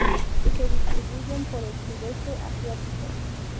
Se distribuyen por el Sudeste Asiático.